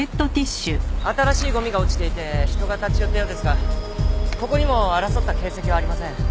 新しいゴミが落ちていて人が立ち寄ったようですがここにも争った形跡はありません。